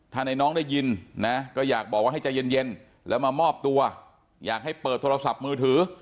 ถ้าในน้องได้ยินนะก็อยากบอกว่าให้ใจเย็นแล้วมามอบตัวอยากให้เปิดโทรศัพท์มือถือ